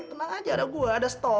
tenang aja ada gua ada stop